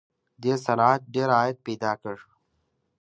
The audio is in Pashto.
دې صنعت ډېر عاید پیدا کړ